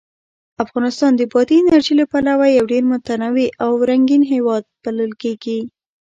افغانستان د بادي انرژي له پلوه یو ډېر متنوع او رنګین هېواد بلل کېږي.